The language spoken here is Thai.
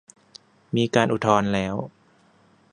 มีการอุทธรณ์แล้ว